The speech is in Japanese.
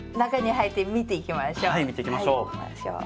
はい見ていきましょう。